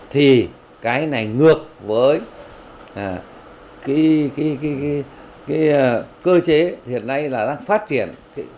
thì cái này ngược với cơ chế hiện nay đang phát triển bốn